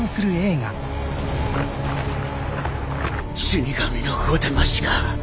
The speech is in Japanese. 死神のお出ましか。